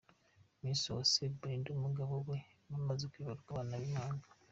Miss Uwase Belinda n’umugabo we bamaze kwibaruka abana b’impanga.